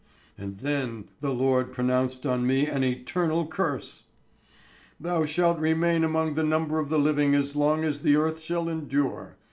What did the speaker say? And then the Lord pronounced on me an eternal curse: "'Thou shalt remain among the number of the living as long as the earth shall endure.